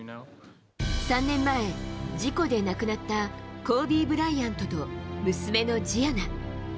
３年前、事故で亡くなったコービー・ブライアントと娘のジアナ。